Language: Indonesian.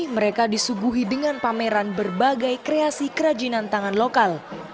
mereka disuguhi dengan pameran berbagai kreasi kerajinan tangan lokal